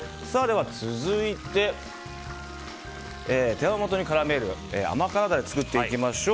続いて、手羽元に絡める甘辛ダレを作っていきましょう。